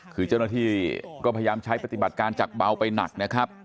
คือเจ้าหน้าที่ก็พยายามใช้ปฏิบัติการจากเบาไปหนักนะครับ